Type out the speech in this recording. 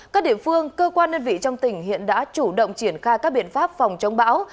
các địa phương cơ quan đơn vị trong tỉnh hiện đã chủ động triển khai các biện pháp phòng chống bão